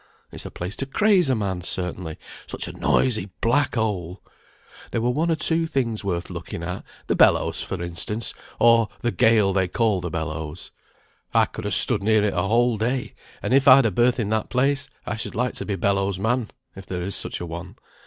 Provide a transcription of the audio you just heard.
It's a place to craze a man, certainly; such a noisy black hole! There were one or two things worth looking at, the bellows for instance, or the gale they called a bellows. I could ha' stood near it a whole day; and if I'd a berth in that place, I should like to be bellows man, if there is such a one.